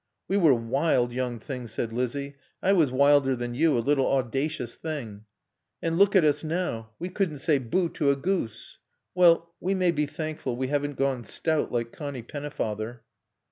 "We were wild young things," said Lizzie. "I was wilder than you.... A little audacious thing." "And look at us now we couldn't say 'Bo' to a goose.... Well, we may be thankful we haven't gone stout like Connie Pennefather."